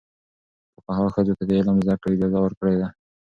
فقهاء ښځو ته د علم زده کړې اجازه ورکړې ده.